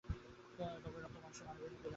তাকে রক্তমাংসের মানবীর মতোই লাগছে।